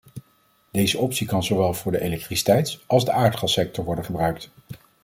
Deze optie kan zowel voor de elektriciteits- als de aardgassector worden gebruikt.